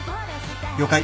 了解。